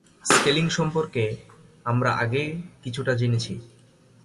Scaling সম্পর্কে আমরা আগেই কিছুটা জেনেছি।